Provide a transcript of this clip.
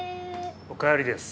おかえりです。